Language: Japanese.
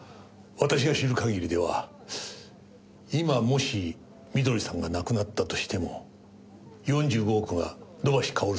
私が知る限りでは今もし美登里さんが亡くなったとしても４５億が土橋かおるさんに行く事はない。